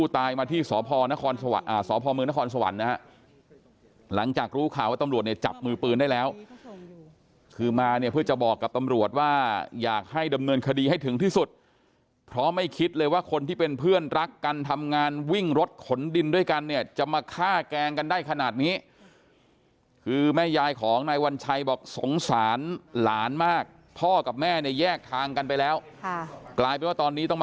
ตายมาที่สพนครสพมนครสวรรค์นะฮะหลังจากรู้ข่าวว่าตำรวจเนี่ยจับมือปืนได้แล้วคือมาเนี่ยเพื่อจะบอกกับตำรวจว่าอยากให้ดำเนินคดีให้ถึงที่สุดเพราะไม่คิดเลยว่าคนที่เป็นเพื่อนรักกันทำงานวิ่งรถขนดินด้วยกันเนี่ยจะมาฆ่าแกล้งกันได้ขนาดนี้คือแม่ยายของนายวัญชัยบอกสงสารหลานมากพ่อกับแม่เนี่ยแยกทางกันไปแล้วค่ะกลายเป็นว่าตอนนี้ต้องมา